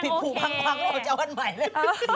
พี่ผู้ภังควังออกจะเอาอันใหม่เลย